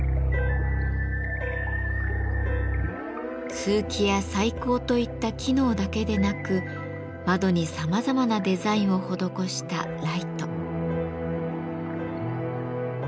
通気や採光といった機能だけでなく窓にさまざまなデザインを施したライト。